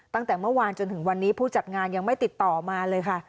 ตั้งแต่เมื่อวานจนถึงวันนี้ผู้จัดงานยังไม่ติดต่อมาเลยค่ะ